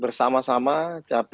bersama sama capres mas anis mas herzaki